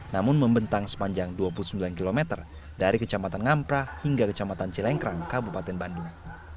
namun membentang sepanjang dua puluh sembilan km dari kecamatan ngampra hingga kecamatan cilengkrang kabupaten bandung